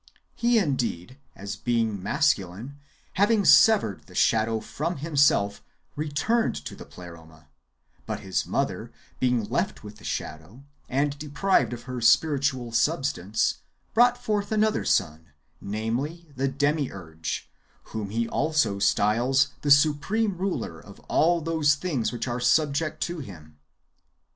He, indeed, as being mascu line, having severed the shadow from himself, returned to the Pleroma ; but his mother being left with the shadow, and deprived of her spiritual substance, brought forth another son, namely, the Demiurge, whom he also styles the supreme ruler of all those things which are subject to him.